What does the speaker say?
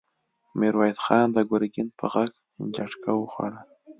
ميرويس خان د ګرګين په غږ جټکه وخوړه!